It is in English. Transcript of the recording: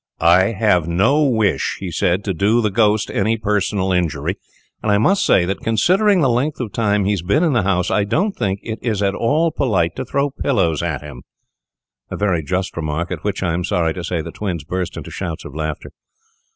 "I have no wish," he said, "to do the ghost any personal injury, and I must say that, considering the length of time he has been in the house, I don't think it is at all polite to throw pillows at him," a very just remark, at which, I am sorry to say, the twins burst into shouts of laughter.